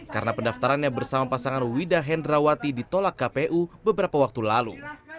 karena pendaftarannya bersama pasangan wida hendrawati ditolak kpu beberapa waktu lalu